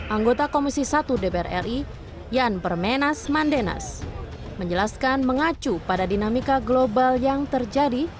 anggota komisi satu dpr ri yan permenas mandenas menjelaskan mengacu pada dinamika global yang terjadi